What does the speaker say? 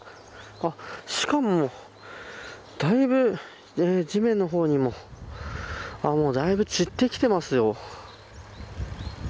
しかも、だいぶ地面の方にもだいぶ散ってきていますよ。